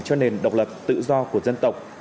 cho nền độc lập tự do của dân tộc